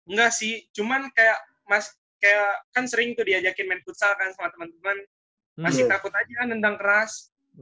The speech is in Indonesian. enggak sih cuma kayak kan sering tuh diajakin main futsal kan sama temen temen masih takut aja nendang keras